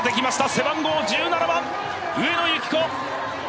背番号１７番、上野由岐子。